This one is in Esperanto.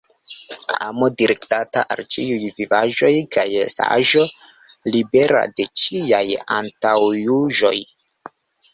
Amo direktata al ĉiuj vivaĵoj kaj saĝo libera de ĉiaj antaŭjuĝoj.